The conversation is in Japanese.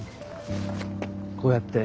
こうやって。